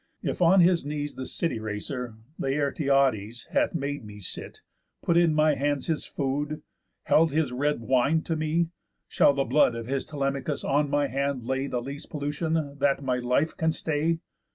If on his knees The city racer, Laertiades, Hath made me sit, put in my hand his food, And held his red wine to me, shall the blood Of his Telemachus on my hand lay The least pollution, that my life can stay?